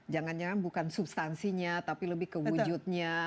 jangan jangan bukan substansinya tapi lebih kewujudnya